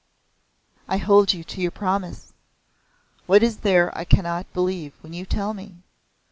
"I hold you to your promise. What is there I cannot believe when you tell me?